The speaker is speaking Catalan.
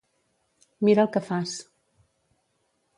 Mira el que fas.